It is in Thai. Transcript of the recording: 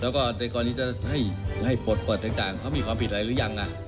แล้วก็แต่ก่อนนี้จะให้ปฏิบัติต่างเขามีความผิดอะไรหรือยัง